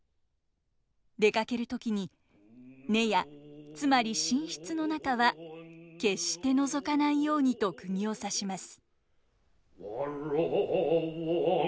出かける時に寝屋つまり寝室の中は決して覗かないようにとくぎを刺します。